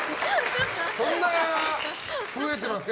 そんな増えてますか？